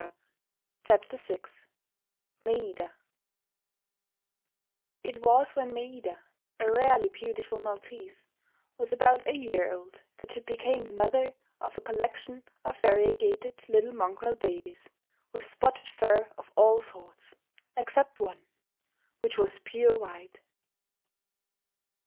MAIDA It was when Maida, a rarely beautiful Maltese, was about a year old that she became the mother of a collection of variegated little mongrel babies, with spotted fur of all sorts, except one, which was pure white.